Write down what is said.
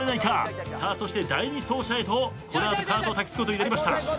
そして第２走者へとこの後カートを託すことになりました。